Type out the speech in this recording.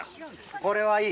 これはいい。